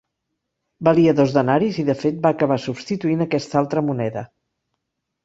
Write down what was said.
Valia dos denaris i de fet va acabar substituint aquesta altra moneda.